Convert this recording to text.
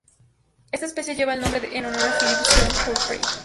Esta especie lleva el nombre en honor a Philip Strong Humphrey.